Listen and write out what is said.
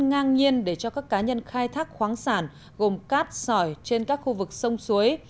ngang nhiên để cho các cá nhân khai thác khoáng sản gồm cát sỏi trên các khu vực sông suối